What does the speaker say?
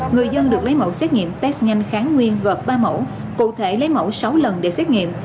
người dân được lấy mẫu xét nghiệm test nhanh kháng nguyên gợt ba mẫu cụ thể lấy mẫu sáu lần để xét nghiệm